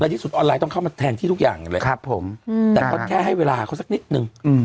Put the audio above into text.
ที่สุดออนไลน์ต้องเข้ามาแทนที่ทุกอย่างเลยครับผมแต่ก็แค่ให้เวลาเขาสักนิดนึง